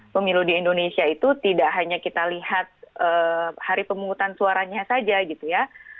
pemilu di indonesia itu tidak hanya kita lihat hari pemungutan suaranya saja gitu ya